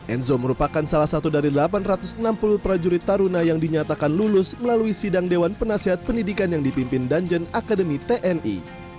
enzo merupakan salah satu dari delapan ratus enam puluh prajurit taruna yang dinyatakan lulus melalui sidang dewan penasehat pendidikan yang dipimpin danjen akademi tni